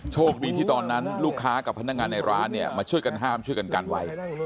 โชคดีที่ตอนนั้นลูกค้ากับพนักงานในร้านเนี่ยมาช่วยกันห้ามช่วยกันกันไว้